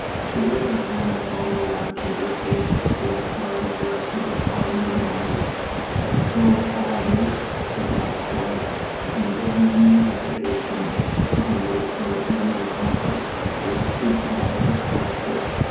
She laid her hand upon the latch and her deep black eyes rested upon Unorna's, as though almost, but not quite, conveying an invitation, hungry for human comfort, yet too proud to ask it.